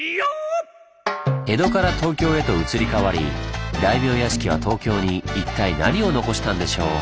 江戸から東京へと移り変わり大名屋敷は東京に一体何を残したんでしょう？